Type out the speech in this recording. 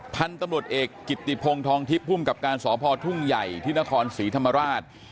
ท่านตำรวจเอกกิตติพงทองทิพย์พุ่มกับการสอบพอทุ่งใหญ่ที่นครศรีธรรมราช